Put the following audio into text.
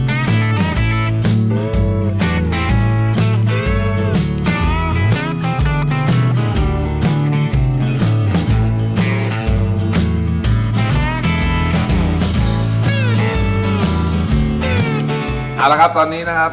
เอาละครับตอนนี้นะครับ